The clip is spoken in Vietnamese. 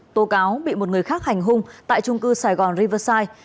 tố cáo bị một người khác hành hung tại trung cư sài gòn riversite